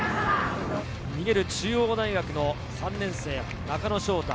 逃げる中央大学の３年生・中野翔太。